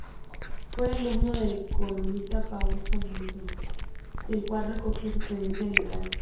Fue alumno del economista Paul Samuelson, del cual recogió su tendencia liberal.